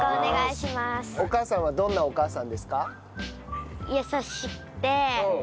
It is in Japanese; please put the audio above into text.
お母さんはどんなお母さんですか？